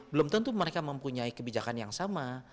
belum tentu mereka mempunyai kebijakan yang sama